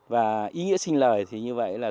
và ý nghĩa sinh lời thì như vậy là